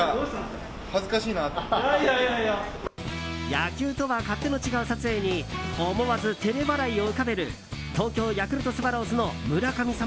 野球とは勝手の違う撮影に思わず照れ笑いを浮かべる東京ヤクルトスワローズの村神様